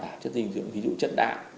đảm bảo chất dinh dưỡng ví dụ chất đạm